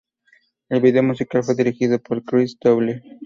El vídeo musical fue dirigido por Chris Dooley.